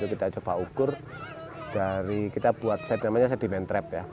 kita coba ukur dari kita buat sedimen trap ya